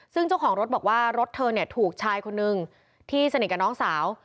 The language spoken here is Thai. ซึ่งเจ้าของรถบอกว่ารถเธอเนี่ยถูกชายคนนึงที่สนิทกับน้องสาว